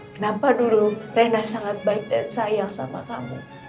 kenapa dulu rena sangat baik dan sayang sama kamu